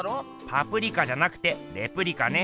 パプリカじゃなくてレプリカね。